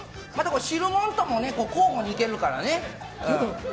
汁物とも交互にいけるからね。